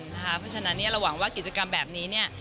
เพราะฉะนั้นเราหวังว่ากิจกรรมแบบนี้เนี่ย